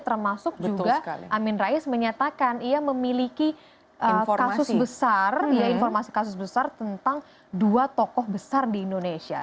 termasuk juga amin rais menyatakan ia memiliki kasus besar informasi kasus besar tentang dua tokoh besar di indonesia